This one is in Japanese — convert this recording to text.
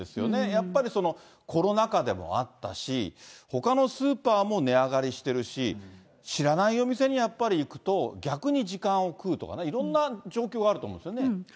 やっぱりコロナ禍でもあったし、ほかのスーパーも値上がりしてるし、知らないお店にやっぱり行くと、逆に時間をくうとかね、いろんな状況があると思うんですよね。